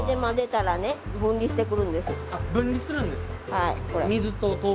はい。